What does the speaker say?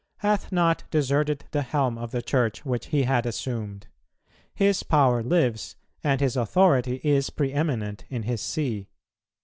"hath not deserted the helm of the Church which he had assumed. .. His power lives and his authority is pre eminent in his See."